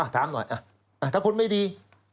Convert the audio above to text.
ถามหน่อยถ้าคนไม่ดี